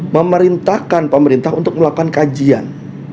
memerintahkan pemerintah untuk melakukan kajian